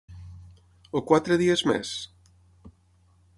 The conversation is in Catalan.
O quatre dies més??